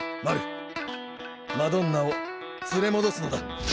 マドンナを連れ戻すのだ。